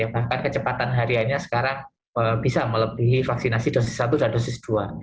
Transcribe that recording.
bahkan kecepatan hariannya sekarang bisa melebihi vaksinasi dosis satu dan dosis dua